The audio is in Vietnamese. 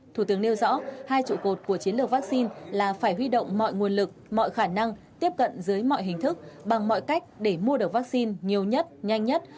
thủ tướng nêu rõ hai trụ cột của chiến lược vaccine là phải huy động mọi nguồn lực mọi khả năng tiếp cận dưới mọi hình thức bằng mọi cách để mua được vaccine nhiều nhất nhanh nhất